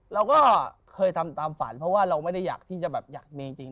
เราก็เคยทำตามฝันเพราะว่าเราไม่ได้อยากที่จะแบบอยากมีจริง